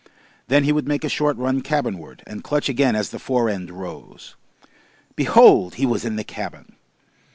Then he would make a short run cabin ward, and clutch again as the fore end rose. Behold! He was in the cabin!